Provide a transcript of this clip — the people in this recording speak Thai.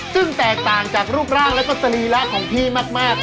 ซึ่งแตกต่างจากรูปร่างแล้วก็สรีระของพี่มาก